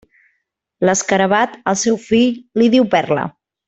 L'escarabat, al seu fill li diu perla.